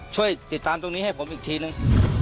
ช่วยติดตามตรงนี้ให้ผมอีกทีนึง